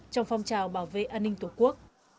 trong phong trào bảo vệ an ninh tổ quốc